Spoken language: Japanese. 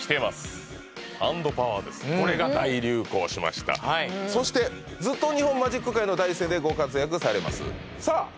これが大流行しましたそしてずっと日本マジック界の第一線でご活躍されますさあ